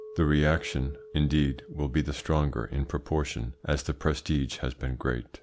The reaction, indeed, will be the stronger in proportion as the prestige has been great.